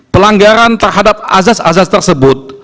pelanggaran terhadap azas azas tersebut